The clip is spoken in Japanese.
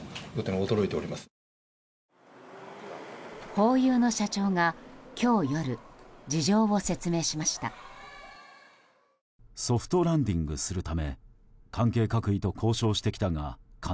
ホーユーの社長が今日夜、事情を説明しました。